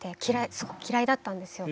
すごく嫌いだったんですよ。